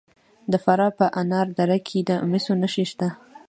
د فراه په انار دره کې د مسو نښې شته.